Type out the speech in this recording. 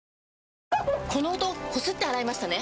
この音こすって洗いましたね？